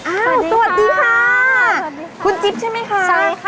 อ้าวสวัสดีค่ะคุณจิ๊บใช่ไหมคะสวัสดีค่ะสวัสดีค่ะ